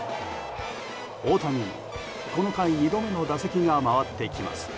大谷に、この回２度目の打席が回ってきます。